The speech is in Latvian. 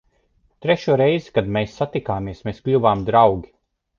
Trešo reizi, kad mēs satikāmies, mēs kļuvām draugi.